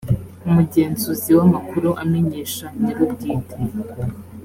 umugenzuzi w amakuru amenyesha nyir ubwite